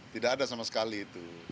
tidak ada sama sekali itu